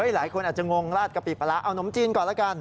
หลายคนอาจจะงงลาดกะปิปลาร้าเอานมจีนก่อนแล้วกัน